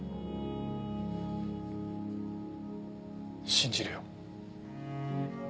信じるよ。